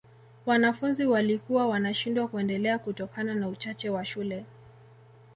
wanafunzi walikuwa wanashindwa kuendelea kutokana na uchache wa shule